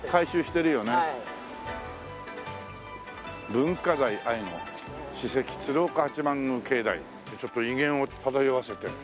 「文化財愛護史跡鶴岡八幡宮境内」ってちょっと威厳を漂わせて。